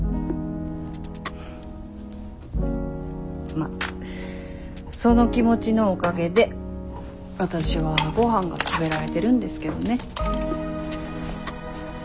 まあその気持ちのおかげでわたしはごはんが食べられてるんですけどね。